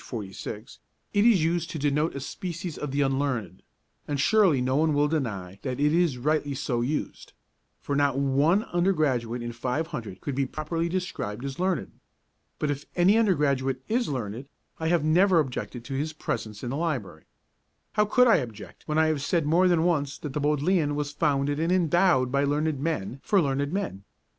46) it is used to denote a species of the unlearned, and surely no one will deny that it is rightly so used; for not one undergraduate in five hundred could be properly described as learned. But if any undergraduate is learned, I have never objected to his presence in the library. How could I object when I have said more than once that the Bodleian was founded and endowed by learned men for learned men?